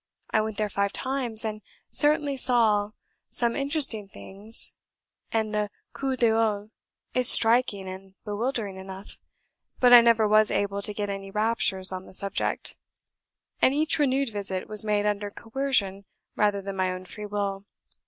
I went there five times, and certainly saw some interesting things, and the 'coup d'oeil' is striking and bewildering enough; but I never was able to get any raptures on the subject, and each renewed visit was made under coercion rather than my own free will.